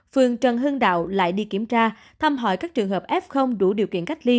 phường trần hưng đạo lại đi kiểm tra thăm hỏi các trường hợp f đủ điều kiện cách ly